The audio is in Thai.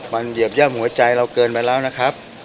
มันเหยียบย่ำหัวใจเราเกินไปแล้วนะครับ